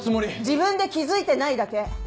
自分で気付いてないだけ。